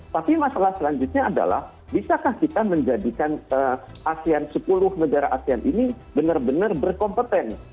tapi masalah selanjutnya adalah bisakah kita menjadikan asean sepuluh negara asean ini benar benar berkompeten